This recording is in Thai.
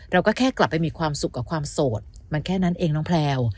เราก็แค่กลับไปมีความสุขกับความโสดมันแค่นั้นเองน้องแพลว